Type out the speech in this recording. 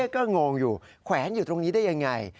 ก็งงอยู่แขวนอยู่ตรงนี้ได้ยังไง